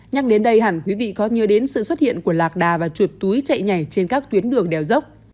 nhắc đến đây hẳn quý vị có nhớ đến sự xuất hiện của lạc đà và chuột túi chạy nhảy trên các tuyến đường đèo dốc